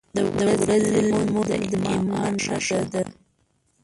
• د ورځې لمونځ د ایمان نښه ده.